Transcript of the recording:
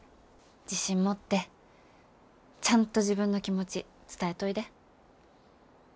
自信持ってちゃんと自分の気持ち伝えといで。